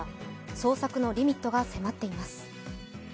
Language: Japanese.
捜索のリミットが迫っています。